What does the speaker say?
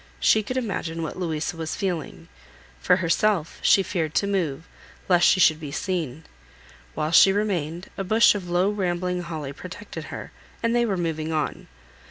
She could imagine what Louisa was feeling. For herself, she feared to move, lest she should be seen. While she remained, a bush of low rambling holly protected her, and they were moving on.